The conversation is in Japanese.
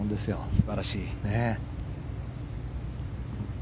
素晴らしい。